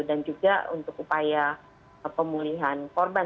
dan juga untuk upaya pemulihan korban